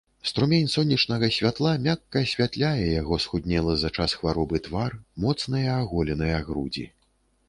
Струмень сонечнага святла мякка асвятляе яго схуднелы за час хваробы твар, моцныя аголеныя грудзі.